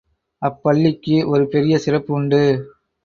அப்பள்ளிக்கு ஒரு பெரிய சிறப்பு உண்டு.